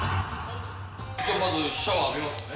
じゃあまず、シャワー浴びますね。